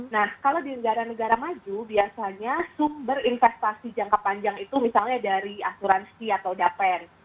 nah kalau di negara negara maju biasanya sumber investasi jangka panjang itu misalnya dari asuransi atau dapen